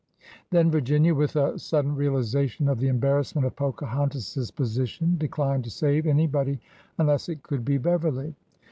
Then Virginia, with a sud den realization of the embarrassment of Pocahontas' s position, declined to save anybody unless it could be Beverly.